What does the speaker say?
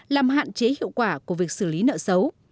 làm hạn chế hiệu quả của việc xử lý nợ xấu